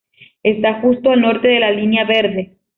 Está justo al norte de la Línea Verde.